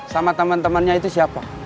sama temen temennya itu siapa